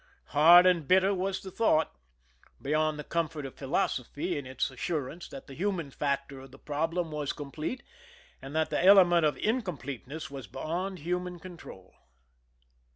Ha^rd and bitter was the thought, beyond the comfort of philosophy in its assurance that the human factor of the problem was complete, and that the element of incompleteness was beyond human control.